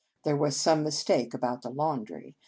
There was some mistake about the laundry.